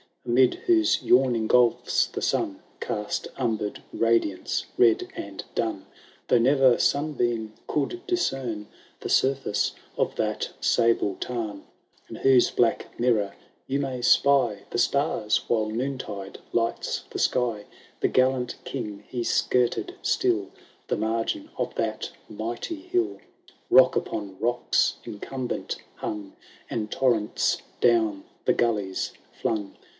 Amid whose yawning golfr the sun Cast umbered radiance red and dun. Though never sunbeam could discern The surfitce of that sable tam,^ In whose black minor you may spy The stars, while noontide lights the sky. The gallant King he skirted still The margin of that mighty hill ; Rock upon locks incumbent hung, And torrents, down the gullies flung.